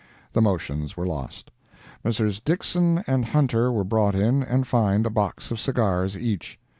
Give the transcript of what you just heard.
The motions were lost. Messrs. Dixson and Hunter were brought in and fined a box of cigars each.